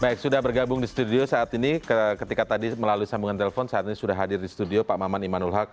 baik sudah bergabung di studio saat ini ketika tadi melalui sambungan telepon saat ini sudah hadir di studio pak maman imanul haq